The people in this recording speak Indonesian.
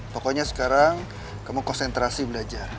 pokoknya sekarang kamu konsentrasi belajar